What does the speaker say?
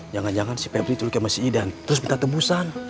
jangan jangan si bebri culik sama si idan terus minta tembusan